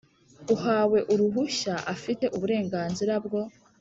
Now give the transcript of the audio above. Uhawe uruhushya afite uburenganzira bwo